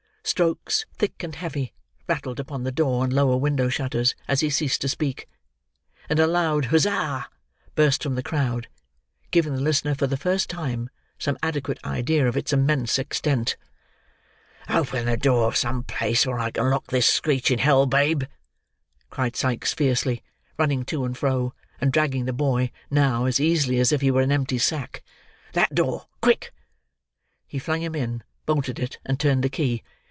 Strokes, thick and heavy, rattled upon the door and lower window shutters as he ceased to speak, and a loud huzzah burst from the crowd; giving the listener, for the first time, some adequate idea of its immense extent. "Open the door of some place where I can lock this screeching Hell babe," cried Sikes fiercely; running to and fro, and dragging the boy, now, as easily as if he were an empty sack. "That door. Quick!" He flung him in, bolted it, and turned the key.